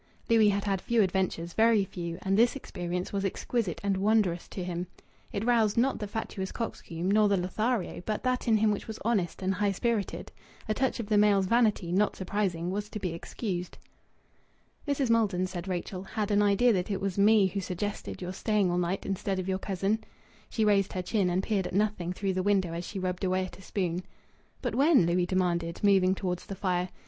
Louis had had few adventures, very few, and this experience was exquisite and wondrous to him. It roused, not the fatuous coxcomb, nor the Lothario, but that in him which was honest and high spirited. A touch of the male's vanity, not surprising, was to be excused. "Mrs. Maldon," said Rachel, "had an idea that it was me who suggested your staying all night instead of your cousin." She raised her chin, and peered at nothing through the window as she rubbed away at a spoon. "But when?" Louis demanded, moving towards the fire.